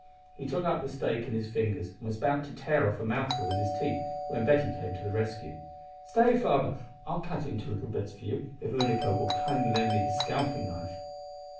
He took up the steak in his fingers, and was about to tear off a mouthful with his teeth, when Betty came to the rescue. "Stay, father; I'll cut it into little bits for you if Unaco will kindly lend me his scalping knife."